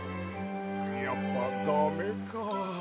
やっぱダメか。